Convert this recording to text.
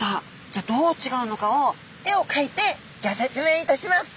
じゃあどう違うのかを絵をかいてギョ説明いたします！